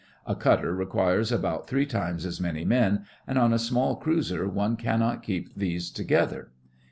A cutter requires about three times as many men, and on a small cruiser one cannot keep these together.